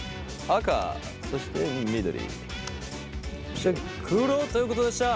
赤そして緑そして黒ということでした。